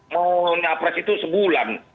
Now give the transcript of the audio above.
mau capres itu sebulan